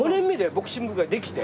ボクシング部ができて。